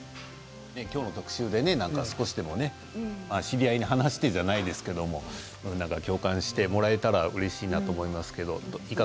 今日の特集で少しでも知り合いに話してじゃないですけれど、共感してもらえたらうれしいなと思います。